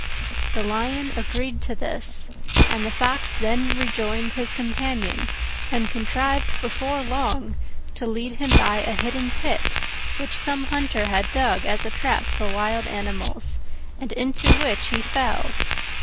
The Lion agreed to this, and the Fox then rejoined his companion and contrived before long to lead him by a hidden pit, which some hunter had dug as a trap for wild animals, and into which he fell.